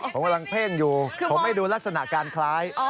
ผมกำลังเพ่งอยู่ผมไม่ดูลักษณะการคล้าย